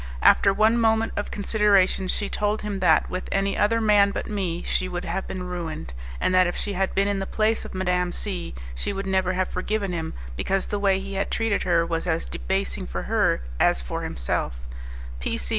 After one moment of consideration, she told him that, with any other man but me, she would have been ruined; and that, if she had been in the place of Madame C , she would never have forgiven him, because the way he had treated her was as debasing for her as for himself.